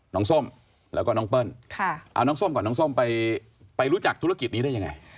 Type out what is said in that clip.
ส้มแล้วก็น้องเปิ้ลเอาน้องส้มก่อนน้องส้มไปรู้จักธุรกิจนี้ได้ยังไง